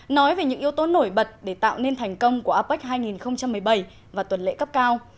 nói về những yếu tố nổi bật để tạo nên thành công của apec hai nghìn một mươi bảy và tuần lễ cấp cao